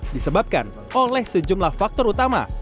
disebabkan oleh sejumlah faktor utama